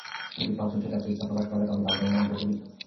যদি পাঁচজন শিক্ষার্থী ইচ্ছা প্রকাশ করে তবে তাদের নাম বোর্ডে লিখবেন।